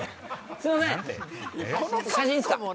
すいません